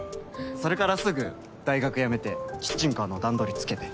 それからすぐ大学辞めてキッチンカーの段取りつけて。